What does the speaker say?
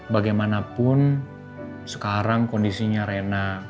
bagaimanapun sekarang kondisinya rena